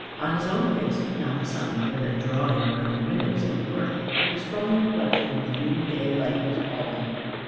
On his own face, not the sun, for the "drawing room" windows look north, but the strong reflection of the noon day light was falling.